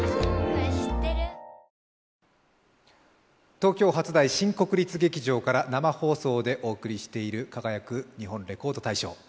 東京・初台新国立劇場から生放送でお送りしている「輝く！日本レコード大賞」。